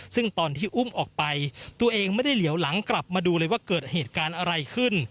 ซึ่งตอนที่อุ้มออกไปตัวเองไม่ได้เหลียวหลังกลับมาดูเลยว่าเกิดเหตุการณ์อะไรขึ้น